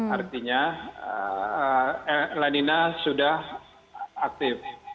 artinya lanina sudah aktif